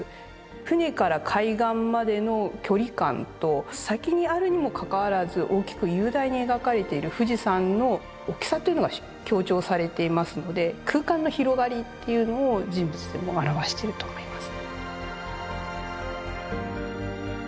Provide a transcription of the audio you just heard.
船から海岸までの距離感と先にあるにもかかわらず大きく雄大に描かれている富士山の大きさというのが強調されていますので空間の広がりというのを人物でも表してると思います。